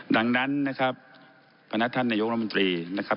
ดังนั้นนะครับพนักท่านนายกรมนตรีนะครับ